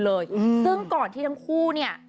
ซึ่งก่อนที่ทั้งคู่เนี่ย